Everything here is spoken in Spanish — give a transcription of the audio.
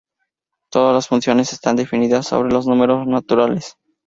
Todas las funciones están definidas sobre los números naturales.